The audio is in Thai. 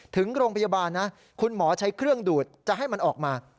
ถึงโรงพยาบาลนะคุณหมอใช้เครื่องดูดจะให้มันออกมา